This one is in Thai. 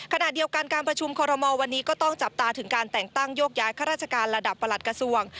ขณะเดียวกันการประชุมคอรมอลวันนี้ก็ต้องจับตาถึงการแต่งตั้งโยกย้ายข้าราชการระดับประหลัดกระทรวง